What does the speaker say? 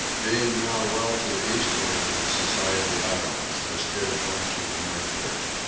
Being now well to the eastward of the Society Islands I steered more to the northward.